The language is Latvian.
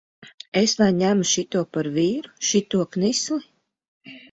Es lai ņemu šito par vīru, šito knisli!